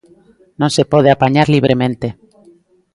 Non se pode apañar libremente.